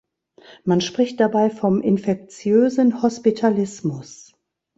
Man spricht dabei vom „infektiösen Hospitalismus“.